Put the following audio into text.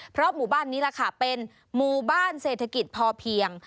เพราะหมู่บ้านนี้ล่ะค่ะเป็นหมู่บ้านเศรษฐกิจพอเพียง